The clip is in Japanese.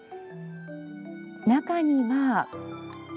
中には。